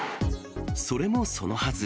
それもそのはず。